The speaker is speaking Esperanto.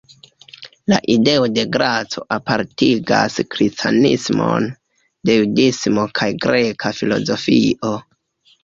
La ideo de graco apartigas kristanismon de judismo kaj greka filozofio.